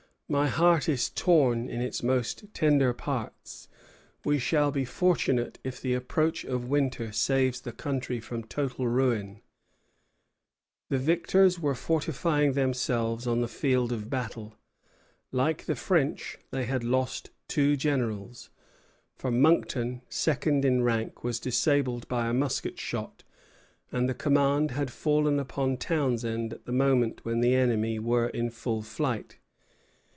My heart is torn in its most tender parts. We shall be fortunate if the approach of winter saves the country from total ruin." Bougainville à Bourlamaque, 18 Sept. 1759. The victors were fortifying themselves on the field of battle. Like the French, they had lost two generals; for Monckton, second in rank, was disabled by a musket shot, and the command had fallen upon Townshend at the moment when the enemy were in full flight.